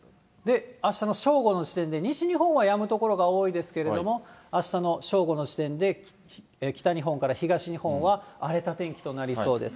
あしたの正午の時点で、西日本はやむ所が多いですけども、あしたの正午の時点で北日本から東日本は荒れた天気となりそうです。